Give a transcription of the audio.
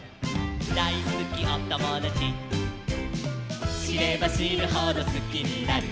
ダイスキおともだち」「しればしるほどスキになる」